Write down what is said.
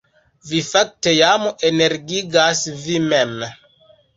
Vi fakte jam energigas vin mem